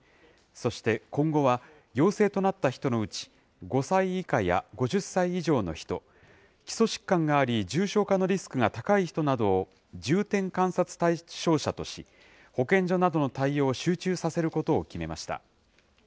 そして今後は、陽性となった人のうち、５歳以下や５０歳以上の人、基礎疾患があり、重症化のリスクが高い人などを重点観察対象者とし、保健所などの対応を集中させることを決めました。